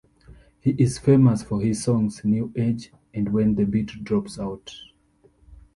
He is famous for his songs "New Age" and "When the Beat Drops Out".